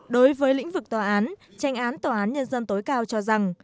đối với lĩnh vực tòa án tranh án tòa án nhân dân tối cao cho rằng